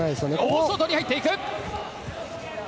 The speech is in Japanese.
大外に入っていく！